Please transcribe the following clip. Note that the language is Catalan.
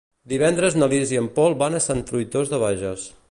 Divendres na Lis i en Pol van a Sant Fruitós de Bages.